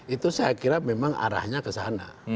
itu saya kira memang arahnya ke sana